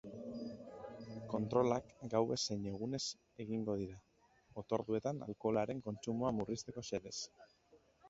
Kontrolak gauez zein egunez egingo dira, otorduetan alkoholaren kontsumoa murrizteko xedez.